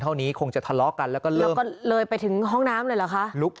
เท่านี้คงจะทะเลาะกันแล้วก็เลยไปถึงห้องน้ำเลยเหรอคะลุก